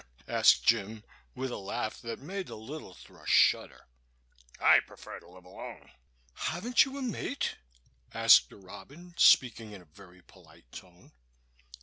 asked Jim, with a laugh that made the little thrush shudder. "I prefer to live alone." "Haven't you a mate?" asked a robin, speaking in a very polite tone.